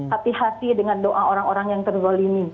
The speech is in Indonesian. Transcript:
hati hati dengan doa orang orang yang terzolimi